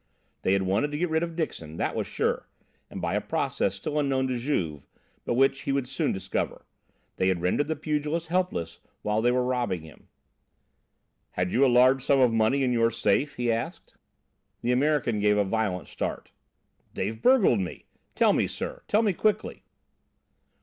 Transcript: They had wanted to get rid of Dixon, that was sure, and by a process still unknown to Juve, but which he would soon discover. They had rendered the pugilist helpless while they were robbing him. "Had you a large sum of money in your safe?" he asked. The American gave a violent start. "They've burgled me! Tell me, sir, tell me quickly!"